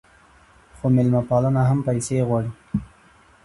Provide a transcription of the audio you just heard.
خو میلمه پالنه هم پیسې غواړي.